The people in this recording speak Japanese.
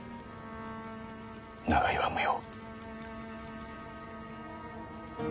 長居は無用。